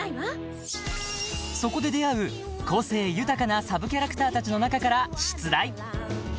［そこで出会う個性豊かなサブキャラクターたちの中から出題］